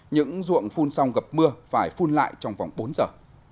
những ruộng phun xong gặp mưa phải phun lại trong vòng bốn giờ